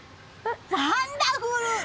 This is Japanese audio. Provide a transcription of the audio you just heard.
ワンダフル！